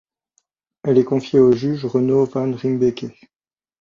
Elle est confiée au juge Renaud Van Ruymbeke.